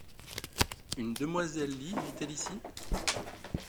Une demoiselle Lee vit-elle ici ?